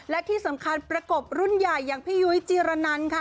และที่สำคัญประกบรุ่นใหญ่อย่างพี่ยุ้ยจีรนันค่ะ